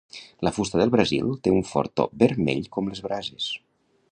La fusta del brasil té un fort to vermell com les brases.